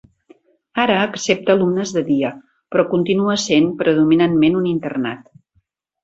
Ara accepta alumnes de dia, però continua essent predominantment un internat.